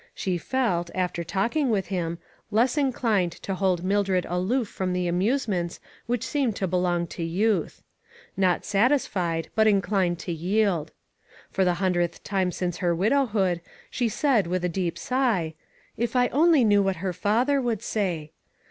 She felt, after talking with him, less inclined to hold Mildred aloof from the amusements which seemed to belong to youth.* Not satisfied, but inclined to yield. For the hundredth time since her widowhood, she said with a deep sigh, "If I only knew what her father would say